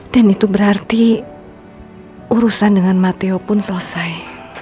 dan itu berarti urusan dengan mateo pun selesai